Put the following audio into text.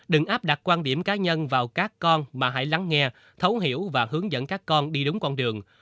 đừng áp đặt quan điểm cá nhân vào các con mà hãy lắng nghe thấu hiểu và hướng dẫn các con đi đúng con đường